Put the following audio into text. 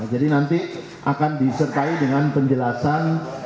jadi nanti akan disertai dengan penjelasan